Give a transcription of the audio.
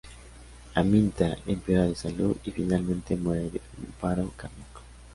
Aminta empeora de salud y finalmente muere de un paro cardíaco.